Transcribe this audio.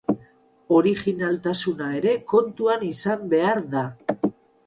Originaltasuna ere kontuan izan behar da.